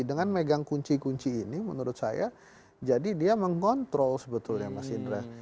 dengan megang kunci kunci ini menurut saya jadi dia mengontrol sebetulnya mas indra